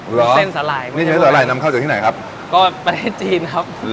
เส้นสาหร่ายไหมไม่ใช่สาหร่ายนำเข้าจากที่ไหนครับก็ประเทศจีนครับ